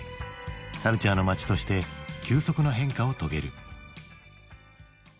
カルチャーの街として急速な変化を遂げる。